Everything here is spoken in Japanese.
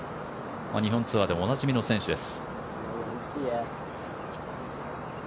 日本ツアーでもおなじみの選手です。